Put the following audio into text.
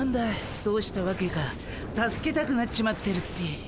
いどうしたわけか助けたくなっちまってるっピィ。